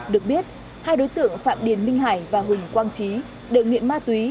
được biết hai đối tượng phạm điền minh hải và huỳnh quang trí đợi nguyễn ma túy